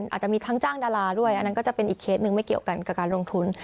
อาจจะมีทั้งจ้างดาราด้วยอันนั้นก็จะเป็นอีกเคสหนึ่งไม่เกี่ยวกันกับการลงทุน